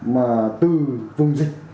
mà từ vùng dịch